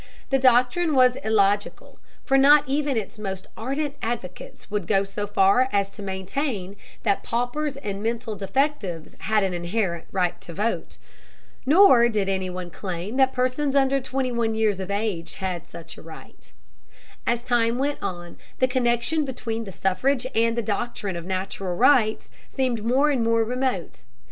The doctrine was illogical, for not even its most ardent advocates would go so far as to maintain that paupers and mental defectives had an inherent right to vote. Nor did anyone claim that persons under twenty one years of age had such a right. As time went on, the connection between the suffrage and the doctrine of natural rights seemed more and more remote.